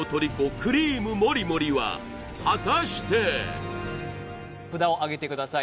クリームもりもりは果たして札をあげてください